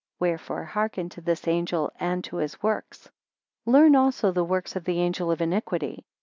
Wherefore hearken to this angel and to his works. 11 Learn also the works of the angel of iniquity.